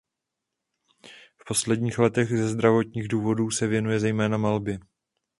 V posledních letech ze zdravotních důvodů se věnuje zejména malbě.